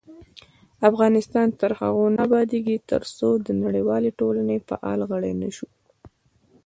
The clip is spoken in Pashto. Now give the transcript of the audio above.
افغانستان تر هغو نه ابادیږي، ترڅو د نړیوالې ټولنې فعال غړي نشو.